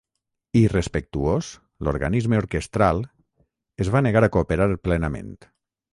Irrespectuós, l'organisme orquestral, es va negar a cooperar plenament.